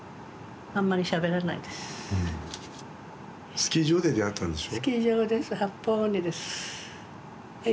・スキー場で出会ったんでしょ？